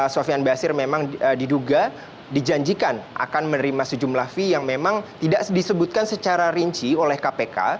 sofian basir memang diduga dijanjikan akan menerima sejumlah fee yang memang tidak disebutkan secara rinci oleh kpk